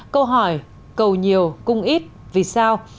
câu hỏi cầu nhiều cung ít vì sao